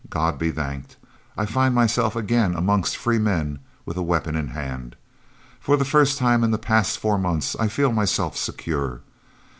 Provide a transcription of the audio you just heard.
God be thanked, I find myself again amongst free men, with weapon in hand. For the first time in the past four months I feel myself secure.